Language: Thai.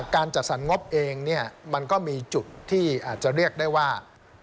การจัดสรรงบเองมันก็มีจุดที่อาจจะเรียกได้ว่า